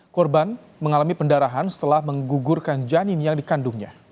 korban mengalami pendarahan setelah menggugurkan janin yang dikandungnya